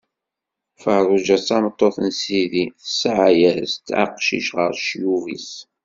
Feṛṛuǧa, tameṭṭut n sidi, tesɛa-as-d aqcic ɣer ccyub-is.